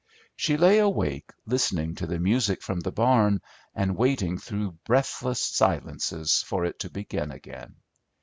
She lay awake listening to the music from the barn, and waiting through breathless silences for it to begin again.